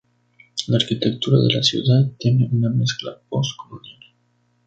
La arquitectura de la ciudad tiene una mezcla pos-colonial.